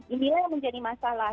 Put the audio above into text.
inilah yang menjadi masalah